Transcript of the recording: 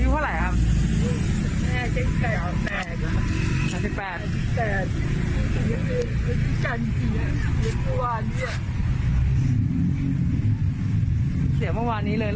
สู้นะครับสู้ไม่ไหวแล้ว